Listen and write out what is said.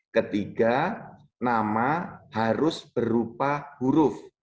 ketiga nama harus berupa huruf